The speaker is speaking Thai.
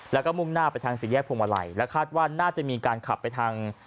แล้วก็มุ่งหน้าไปทางสี่แยกพวงมาลัยและคาดว่าน่าจะมีการขับไปทาง